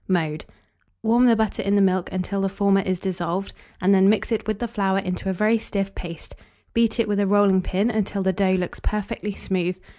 Mode. Warm the butter in the milk until the former is dissolved, and then mix it with the flour into a very stiff paste; beat it with a rolling pin until the dough looks perfectly smooth.